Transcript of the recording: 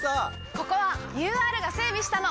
ここはＵＲが整備したの！